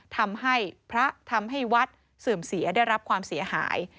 ทำให้พระทำให้วัดเสื่อมเสียได้รับความเสียหาย